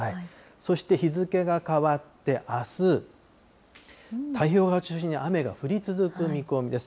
そして日付が変わってあす、太平洋側を中心に雨が降り続く見込みです。